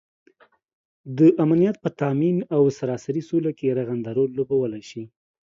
دامنیت په تآمین او سراسري سوله کې رغنده رول لوبوالی شي